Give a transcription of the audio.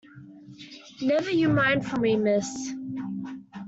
Never you mind for me, miss.